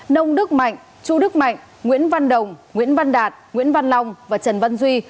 nông đức mạnh chu đức mạnh nguyễn văn đồng nguyễn văn đạt nguyễn văn long và trần văn duy